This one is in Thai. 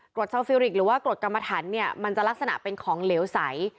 ชาวฟิริกหรือว่ากรดกรรมฐานเนี่ยมันจะลักษณะเป็นของเหลวใส